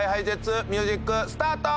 ミュージックスタート！